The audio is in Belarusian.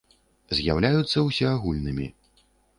З’яўляюцца ўсеагульнымі.